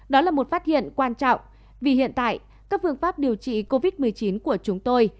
đó là một phát hiện quan trọng vì hiện tại các phương pháp điều trị covid một mươi chín của chúng tôi